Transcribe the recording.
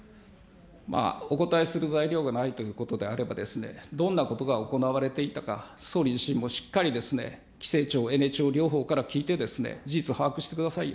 まあ、お答えする材料がないということであれば、どんなことが行われていたか、総理自身もしっかり規制庁、エネ庁、両方から聞いてですね、事実を把握してくださいよ。